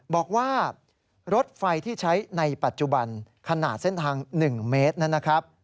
บอกว่ารถไฟที่ใช้ในปัจจุบันขนาดเส้นทาง๑เมตรนะครับ